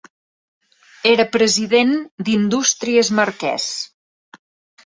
Era president d'Indústries Marquès.